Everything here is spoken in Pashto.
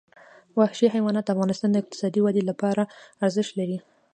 وحشي حیوانات د افغانستان د اقتصادي ودې لپاره ارزښت لري.